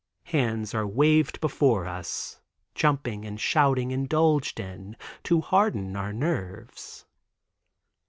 Hands are waved before us, jumping and shouting indulged in to harden our nerves.